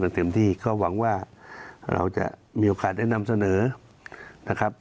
เต็มที่ก็หวังว่าเราจะมีโอกาสได้นำเสนอนะครับ